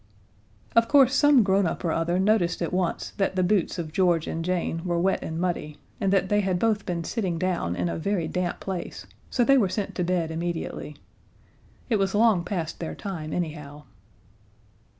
Of course some grown up or other noticed at once that the boots of George and Jane were wet and muddy, and that they had both been sitting down in a very damp place, so they were sent to bed immediately. It was long past their time, anyhow.